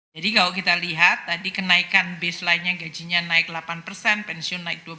jadi kalau kita lihat tadi kenaikan baseline nya gajinya naik delapan pensiun naik dua belas